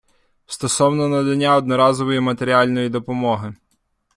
Стосовно надання одноразової матеріальної допомоги.